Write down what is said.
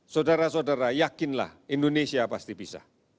saudara saudara yakinlah indonesia pasti bisa